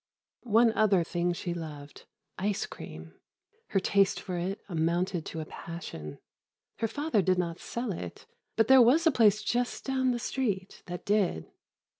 One other thing she loved—ice cream—her taste for it amounted to a passion. Her father did not sell it, but there was a place just down the street that did.